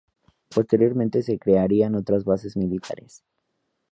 Posteriormente se crearían otras bases militares.